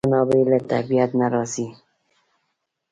منابع له طبیعت نه راځي.